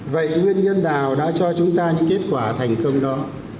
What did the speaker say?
vậy nguyên nhân nào đã cho chúng ta những kết quả thành công đó